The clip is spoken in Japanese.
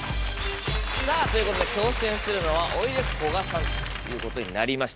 さぁということで挑戦するのはおいでやすこがさんということになりました。